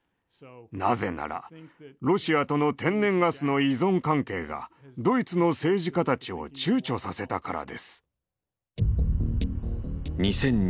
なぜならロシアとの天然ガスの依存関係がドイツの政治家たちを躊躇させたからです。